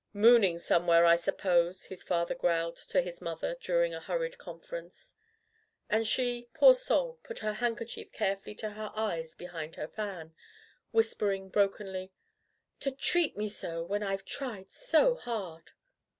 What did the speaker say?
"Mooning somewhere, I suppose,'* his father growled to his mother, during a hur ried conference. And she, poor soul! put her handkerchief carefully to her eyes behind her fan, whisper ing brokenly: "To treat me so when I've tried so hard."